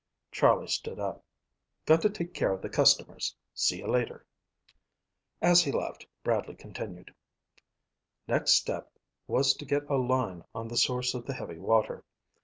Charlie stood up. "Got to take care of the customers. See you later." As he left, Bradley continued, "Next step was to get a line on the source of the heavy water.